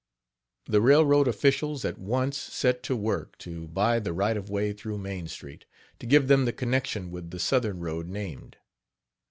The railroad officials at once set to work to buy the right of way through Main street, to give them the connection with the southern road named.